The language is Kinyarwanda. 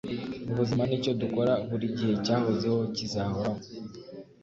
Ubuzima nicyo dukora, burigihe cyahozeho, kizahoraho.”